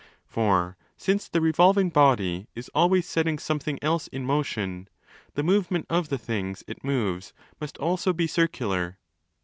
For since the revolving body is always setting some thing else in motion, the movement of the things it moves must also be circular.